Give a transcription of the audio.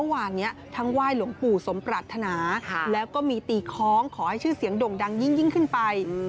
วันนี้ทั้งไหว่หลวงปู่สมปรัฐนาค่ะแล้วก็มีตีค้องขอให้ชื่อเสียงด่งดังยิ่งยิ่งขึ้นไป